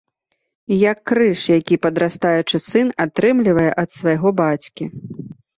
Як крыж, які падрастаючы сын атрымлівае ад свайго бацькі.